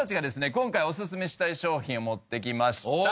今回おすすめしたい商品を持ってきました。